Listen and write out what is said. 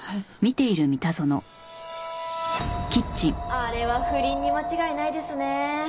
あれは不倫に間違いないですねえ。